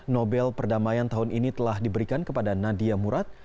nobel perdamaian tahun ini telah diberikan kepada nadia murad